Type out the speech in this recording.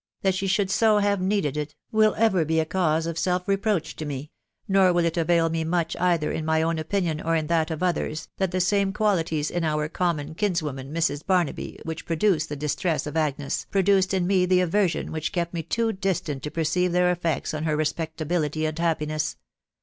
That she should so have needed it, will ever be a cause q€ D D 402 THE WIDOW BABNABY. self reproach to me : nor will it avail me much, either in my own opinion or in that of others, that the same qualities in our common kinswoman, Mrs. Barnaby, which produced the dis tress of Agnes, produced in me the aversion which kept me too distant to perceive their effects on her respectability and happiness.